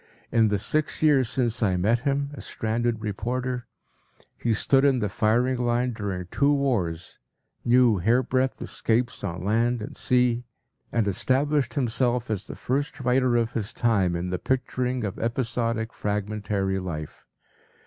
In the six years since I met him, a stranded reporter, he stood in the firing line during two wars, knew hairbreadth ’scapes on land and sea, and established himself as the first writer of his time in the picturing of episodic, fragmentary life.